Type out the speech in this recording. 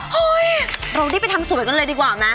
เฮ้ยเรารีบไปทำสวยกันเลยดีกว่าไหม